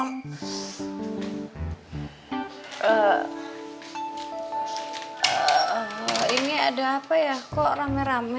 hmm ini ada apa ya kok rame rame